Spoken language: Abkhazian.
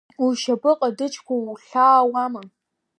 Ушьапы ҟадыџьқәа ухьаауама?